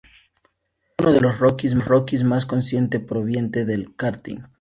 Siendo uno de los "rookies" más consistentes provenientes del karting.